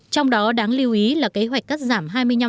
trong đó đáng lưu ý là kế hoạch cắt giảm